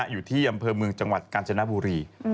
อยู่ที่อำเภอเมืองจังหวัดกาญจนบุรี